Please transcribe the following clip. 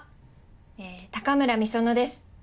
え高村美園です。